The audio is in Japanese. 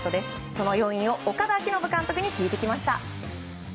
その要因を岡田彰布監督に聞いてきました。